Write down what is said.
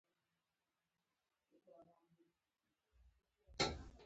موبایل کې ساعت ښيي، تاریخ ښيي، او تودوخه ښيي.